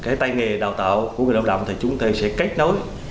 cái tay nghề đào tạo của người lao động thì chúng tôi sẽ kết nối